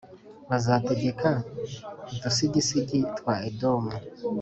bazategeka udusigisigi twa edomu